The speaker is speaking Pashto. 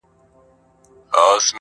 د شېخانو د ټگانو، د محل جنکۍ واوره.